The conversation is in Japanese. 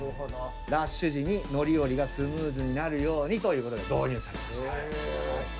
ラッシュ時に乗り降りがスムーズになるようにということで導入されました。